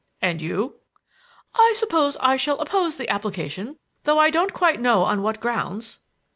"And you?" "I suppose I shall oppose the application, though I don't quite know on what grounds."